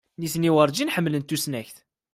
Nitni werǧin ḥemmlent tusnakt.